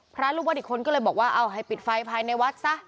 พระลูกวัดอีกคนก็เลยบอกว่าเอาให้ปิดไฟภายในวัดซะ